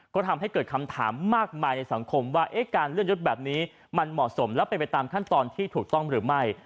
ก็ทำให้เกิดคำถามมากมายในสังคมว่าการเลื่อนยดแบบนี้มันเหมาะสมแล้วเป็นไปตามขั้นตอนที่ถูกต้องหรือไม่